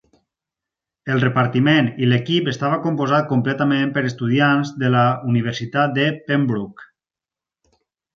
El repartiment i l'equip estava composat completament per estudiants de la universitat de Pembroke.